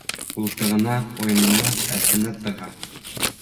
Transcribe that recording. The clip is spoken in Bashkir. Ҡултығына, ҡуйынына, фәсенә тыға.